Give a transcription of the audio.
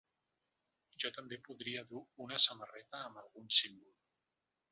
Jo també podria dur una samarreta amb algun símbol.